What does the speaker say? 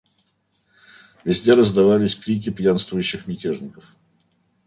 Везде раздавались крики пьянствующих мятежников.